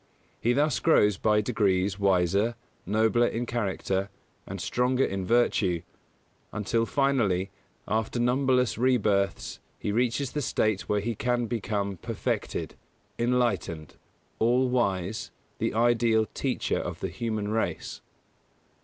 He thus grows by degrees wiser, nobler in character, and stronger in virtue, until, finally, after numberless re births he reaches the state when he can become Perfected, Enlightened, All wise, the ideal Teacher of the human race.